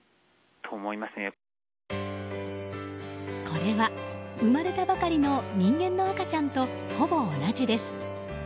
これは生まれたばかりの人間の赤ちゃんとほぼ同じです。